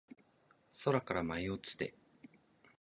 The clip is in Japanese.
空から舞い落ちて